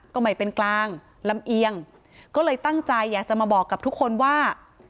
ก็ไม่เป็นกลางลำเอียงก็เลยตั้งใจอยากจะมาบอกกับทุกคนว่า